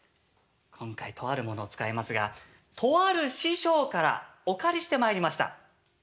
今回とあるものを使いますがとある師匠からお借りしてまいりました。